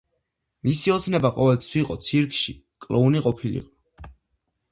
მისი ოცნება ყოველთვის იყო ცირკში კლოუნი ყოფილიყო.